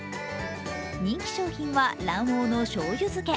人気商品は卵黄のしょうゆ漬け。